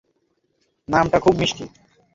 নামটা খুব মিষ্টি।